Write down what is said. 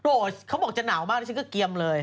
โอ๊ยเขาบอกจะหนาวมากแล้วฉันก็เกียมเลย